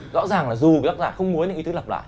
rõ ràng là dù bức ảnh không muốn những ý tứ lặp lại